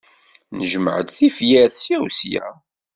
Njemmeɛ-d tifyar ssya u ssya.